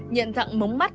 nhận dặn mống bắt